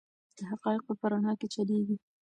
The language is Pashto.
د حقایقو په رڼا کې چلیږي.